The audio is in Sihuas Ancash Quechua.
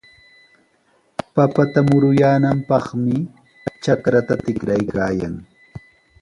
Papata muruyaananpaqmi trakrta tikraykaayan.